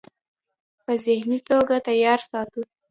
پۀ ذهني توګه تيار ساتو -